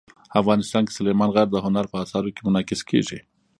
افغانستان کې سلیمان غر د هنر په اثارو کې منعکس کېږي.